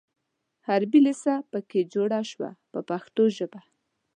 حربي لېسه په کې جوړه شوه په پښتو ژبه.